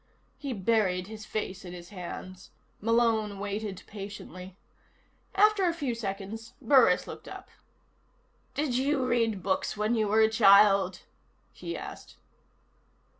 He buried his face in his hands. Malone waited patiently. After a few seconds, Burris looked up. "Did you read books when you were a child?" he asked.